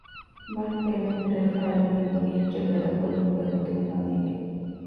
ބަސް ބޭނުންކުރެވިފައި އެވަނީ ބުނި އެއްޗެއް ގަދަކޮށްލުމުގެ ގޮތުން ކަން އެނގެ